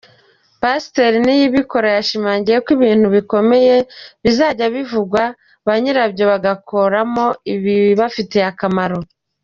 Pasiteri Niyibikora yashimangiye ko ibintu bikomeye bizajya bivugwa, ba nyirabyo bagatoramo ibibafitiye akamaro.